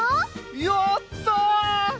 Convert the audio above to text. やった！